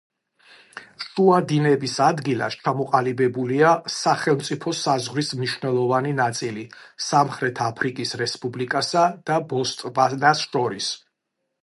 შუა დინების ადგილას ჩამოყალიბებულია სახელმწიფო საზღვრის მნიშვნელოვანი ნაწილი სამხრეთ აფრიკის რესპუბლიკასა და ბოტსვანას შორის.